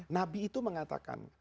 nabi itu mengatakan